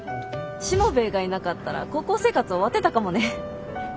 しもべえがいなかったら高校生活終わってたかもね。